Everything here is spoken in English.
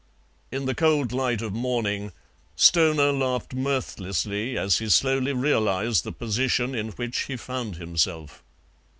In the cold light of morning Stoner laughed mirthlessly as he slowly realized the position in which he found himself.